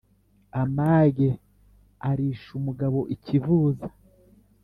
amage arisha umugabo ikivuza,